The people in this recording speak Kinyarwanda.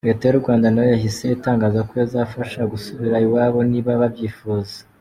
Leta y’u Rwanda nayo yahise itangaza ko izabafasha gusubira iwabo niba babyifuza.